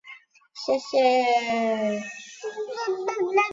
事情多起来就容易乱